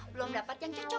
belum dapat yang cocok